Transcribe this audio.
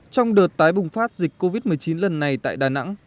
trong đợt tái bùng phát dịch covid một mươi chín lần này tại đà nẵng